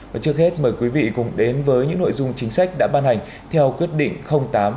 và trước hết mời quý vị cùng đến với những nội dung chính sách đã ban hành theo quyết định tám hai nghìn hai mươi hai